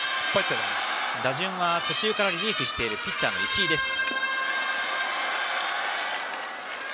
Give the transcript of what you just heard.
打順は途中からリリーフしているピッチャーの石井です。